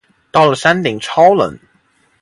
到了山顶超冷